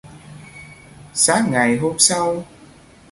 Sáng ngày hôm sau